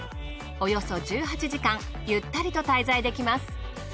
およそ１８時間ゆったりと滞在できます。